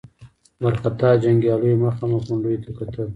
وارخطا جنګياليو مخامخ غونډيو ته کتل.